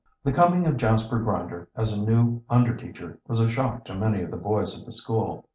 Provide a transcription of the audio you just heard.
The coming of Jasper Grinder as a new under teacher was a shock to many of the boys at the school.